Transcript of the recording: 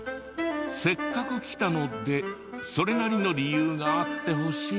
せっかく来たのでそれなりの理由があってほしい。